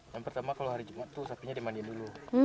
yang pertama kalau hari jumat tuh sapinya dimandiin dulu